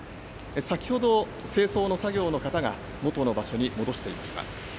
先ほど清掃の作業の方が元の場所に戻していました。